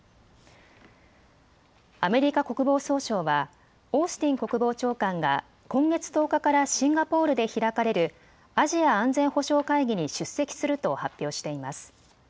アメリカ国防総省はオースティン国防長官が今月１０日からシンガポールで開かれるアジア安全保障会議に出席すると発表しています。